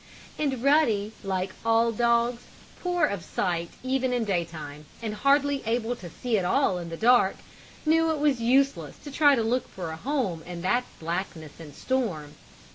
And Ruddy, like all dogs, poor of sight even in daytime, and hardly able to see at all in the dark, knew it was useless to try to look for a home in that blackness and storm.